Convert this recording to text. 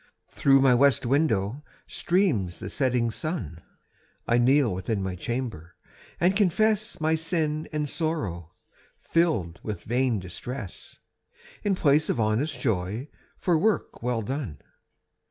Through my west window streams the setting sun. I kneel within my chamber, and confess My sin and sorrow, filled with vain distress, In place of honest joy for work well done.